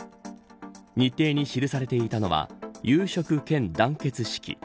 日程に記されていたのは夕食兼団結式。